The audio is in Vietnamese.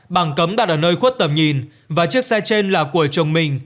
bằng cấm đặt ở nơi khuất tầm nhìn và chiếc xe trên là của chồng mình